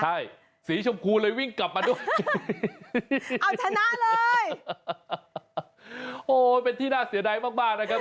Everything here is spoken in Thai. ใช่สีชมพูเลยวิ่งกลับมาด้วยเอาชนะเลยโอ้เป็นที่น่าเสียดายมากมากนะครับ